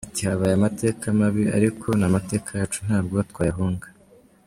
Ati “Habaye amateka mabi ariko ni amateka yacu ntabwo twayahunga.